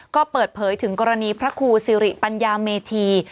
ก็เปิดเผยถึงกรณีพระครูสิริปัญญาเมธี